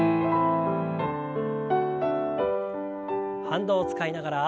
反動を使いながら。